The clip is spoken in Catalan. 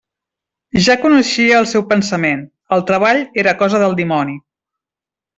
Ja coneixia el seu pensament: el treball era cosa del dimoni.